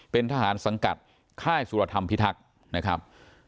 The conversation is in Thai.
เป็นทหารสังกัดค่ายสุรธรรมพิทักษ์นะครับ